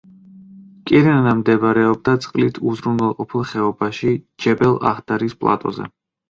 კირენა მდებარეობდა წყლით უზრუნველყოფილ ხეობაში, ჯებელ-ახდარის პლატოზე.